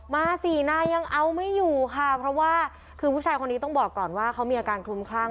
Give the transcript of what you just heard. สี่นายยังเอาไม่อยู่ค่ะเพราะว่าคือผู้ชายคนนี้ต้องบอกก่อนว่าเขามีอาการคลุมคลั่ง